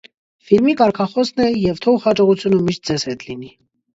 Ֆիլմի կարգախոսն է՝ «Ե՛վ թող հաջողությունը միշտ ձեզ հետ լինի»։